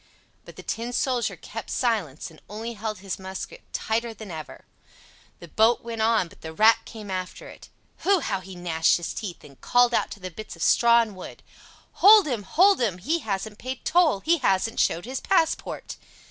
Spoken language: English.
But the Tin Soldier kept silence, and only held his musket tighter than ever. The boat went on, but the Rat came after it. Hu! how he gnashed his teeth, and called out to the bits of straw and wood: "Hold him! hold him! he hasn't paid toll—he hasn't showed his passport!"